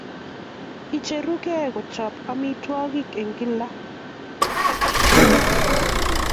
Icheruge kochop amitwogik eng' gila.